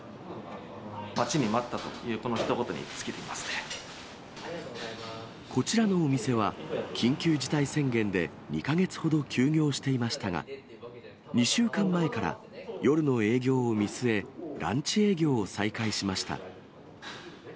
待ちに待ったというこのひとこちらのお店は、緊急事態宣言で２か月ほど休業していましたが、２週間前から夜の営業を見据え、ランチ営業を再開しました。